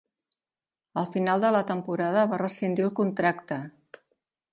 Al final de la temporada va rescindir el contracte.